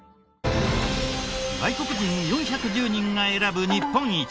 外国人４１０人が選ぶ日本一。